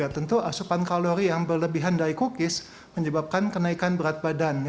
tentu asupan kalori yang berlebihan dari cookies menyebabkan kenaikan berat badan